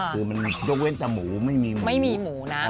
คือมันยกเว้นแต่หมูไม่มีหมูไม่มีหมูนะ